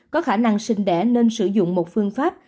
có khả năng sinh đẻ nên sử dụng một phương pháp